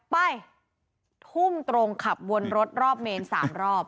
ไปทุ่มตรงขับวนรถรอบเมน๓รอบ